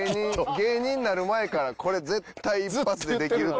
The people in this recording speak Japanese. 芸人になる前からこれ絶対一発でできるって。